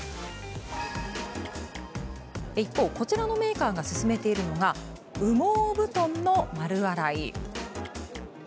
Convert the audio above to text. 一方、こちらのメーカーが進めているのが羽毛布団の丸洗い。